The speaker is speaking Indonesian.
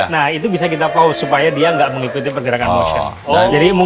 nah itu bisa kita paus supaya dia nggak mengikuti pergerakan motion